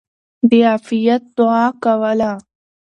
د عافيت دعاء کوله!!.